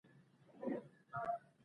ایران له تاجکستان سره ښې اړیکې لري.